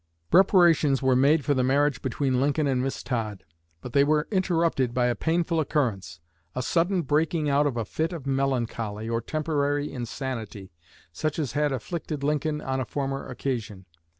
Preparations were made for the marriage between Lincoln and Miss Todd. But they were interrupted by a painful occurrence a sudden breaking out of a fit of melancholy, or temporary insanity, such as had afflicted Lincoln on a former occasion.